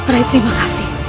lai terima kasih